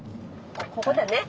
ここだね。